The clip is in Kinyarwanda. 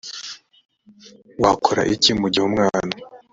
wakora iki mu gihe umwana